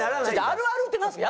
あるあるってなんですか？